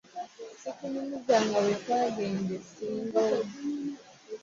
Ssikunyumizanga bwe twagenda e Ssingo?